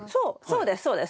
そうですそうです。